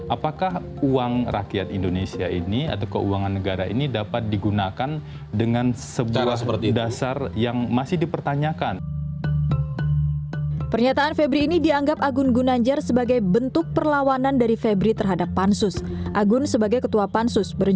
apakah uang rakyat indonesia ini atau keuangan negara ini dapat digunakan dengan sebuah dasar yang masih dipertanyakan